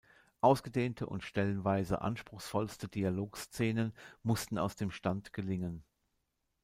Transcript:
Ausgedehnte und stellenweise anspruchsvollste Dialogszenen mussten aus dem Stand gelingen.